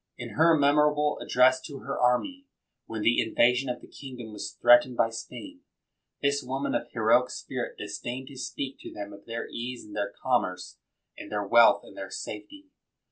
In her memorable address to her army, when the in vasion of the kingdom was threatened by Spain, this woman of heroic spirit disdained to speak to them of their ease and their commerce, and their wealth and their safety.